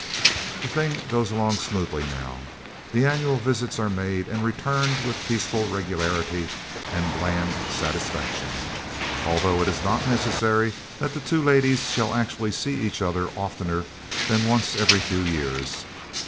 The thing goes along smoothly, now. The annual visits are made and returned with peaceful regularity and bland satisfaction, although it is not necessary that the two ladies shall actually see each other oftener than once every few years.